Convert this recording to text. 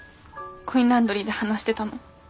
コインランドリーで話してたの。